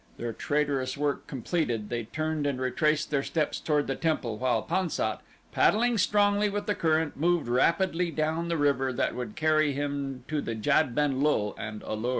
Their traitorous work completed they turned and retraced their steps toward the temple, while Pan sat, paddling strongly with the current, moved rapidly down the river that would carry him to the Jad ben lul and A lur.